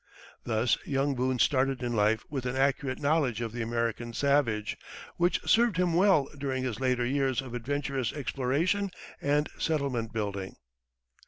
Thus young Boone started in life with an accurate knowledge of the American savage, which served him well during his later years of adventurous exploration and settlement building.